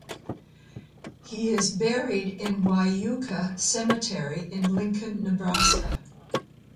He is buried in Wyuka Cemetery, in Lincoln, Nebraska.